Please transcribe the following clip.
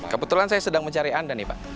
kebetulan saya sedang mencari anda nih pak